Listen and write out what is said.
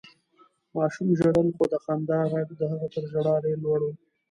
ماشوم ژړل، خو د خندا غږ د هغه تر ژړا ډېر لوړ و.